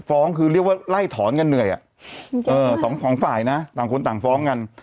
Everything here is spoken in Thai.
ฟ้องคือเรียกว่าไล่ถอนกันเหนื่อยสองฝ่ายนะต่างคนต่างฟ้องกัน